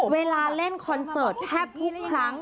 เวลาเล่นคอนเสิร์ตแทบทุกครั้ง